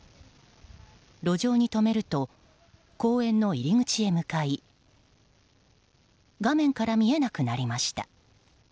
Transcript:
路上に止めると公園の入り口へ向かい画面から見えなくなりました。